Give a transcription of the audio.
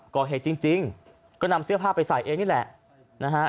ก่อเหตุจริงก็นำเสื้อผ้าไปใส่เองนี่แหละนะฮะ